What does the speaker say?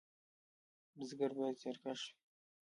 بزګر باید زیارکښ وي